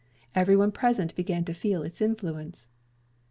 Every one present began to feel its influence.